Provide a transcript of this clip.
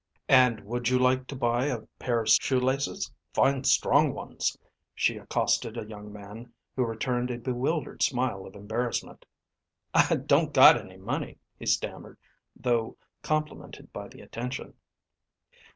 "And would you like to buy a pair of shoelaces, fine strong ones," she accosted a young man who returned a bewildered smile of embarrassment. "I ... I don't got any money," he stammered, though complimented by the attention.